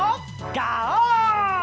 ガオー！